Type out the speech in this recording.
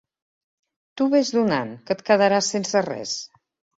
Tu ves donant, que et quedaràs sense res!